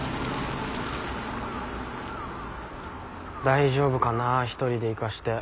大丈夫かな１人で行かせて。